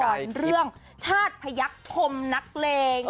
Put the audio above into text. สำหรับรากรเรื่องชาติพยักษ์ธมนักเลนะ